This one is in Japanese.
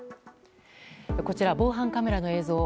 こちら、防犯カメラの映像。